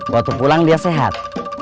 waktu pulang dia sehat